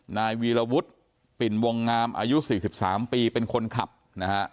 นายวีรวุฒิปิ่นวงงามอายุ๔๓ปีเป็นคนขับนะฮะ